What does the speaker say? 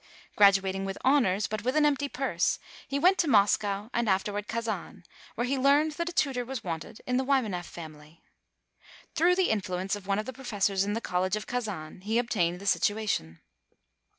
Graduating with honors, but with an empty purse, he went to 250 THE TALKING HANDKEECMiEE. Moscow, and afterward Kazan, where he learned that a tutor was wanted in the Wymaneff family. Through the influence of one of the professors in the college of Kazan, he obtained the situation.